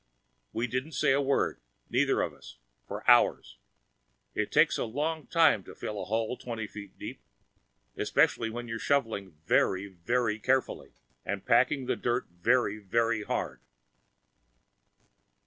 We didn't say a word, neither of us, for hours. It takes a long time to fill a hole twenty feet deep especially when you're shoveling very, very carefully and packing down the dirt very, very hard.